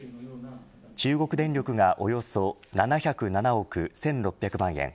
中国電力がおよそ７０７億１６００万円。